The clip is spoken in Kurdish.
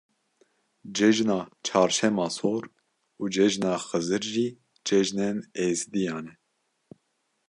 Cejina Çarşema Sor û Cejna Xizir jî cejnên êzîdiyan e.